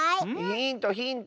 ヒントヒント！